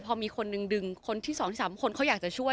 พอมีคนหนึ่งดึงคนที่๒ที่๓คนเขาอยากจะช่วย